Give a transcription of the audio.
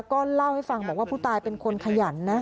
ก็เล่าให้ฟังบอกว่าผู้ตายเป็นคนขยันนะ